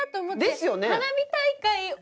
ですよね？